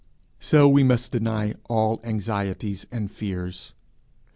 So must we deny all anxieties and fears.